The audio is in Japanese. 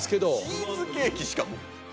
チーズケーキしかも。